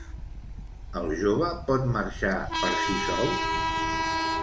El jove pot marxar per si sol?